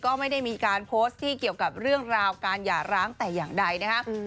ก็ไม่ได้มีการโพสต์ที่เกี่ยวกับเรื่องราวการหย่าร้างแต่อย่างใดนะครับ